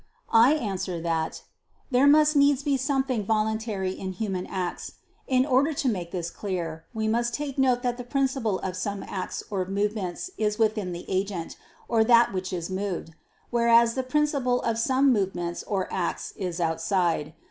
I answer that, There must needs be something voluntary in human acts. In order to make this clear, we must take note that the principle of some acts or movements is within the agent, or that which is moved; whereas the principle of some movements or acts is outside.